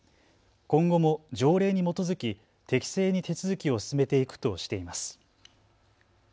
今後も条例に基づき適正に手続きを進めていくとしています。